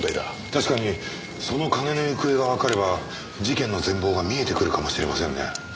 確かにその金の行方がわかれば事件の全貌が見えてくるかもしれませんね。